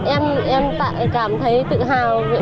em cảm thấy tự hào